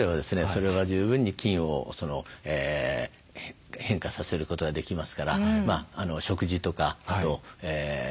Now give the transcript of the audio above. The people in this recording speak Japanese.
それは十分に菌を変化させることができますから食事とか体操ですね